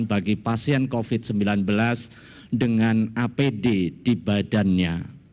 bagi pasien covid sembilan belas dengan apd di badannya